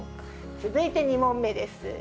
続いて２問目です。